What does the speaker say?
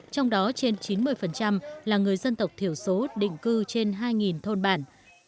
trong đó trên chín mươi là người dân tộc thiểu số định cư trên hai thôn bản